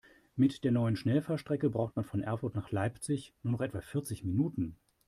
Mit der neuen Schnellfahrstrecke braucht man von Erfurt nach Leipzig nur noch etwa vierzig Minuten